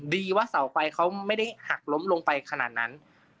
ดีว่าเสาไฟเขาไม่ได้หักล้มลงไปขนาดนั้น